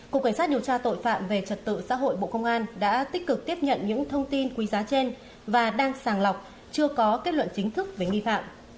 cục cảnh sát điều tra tội phạm về trật tự xã hội bộ công an đã tích cực tiếp nhận những thông tin quý giá trên và đang sàng lọc chưa có kết luận chính thức về nghi phạm